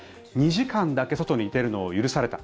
２時間だけ外に出るのを許された。